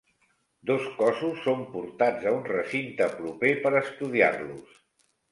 Dos cossos són portats a un recinte proper per estudiar-los.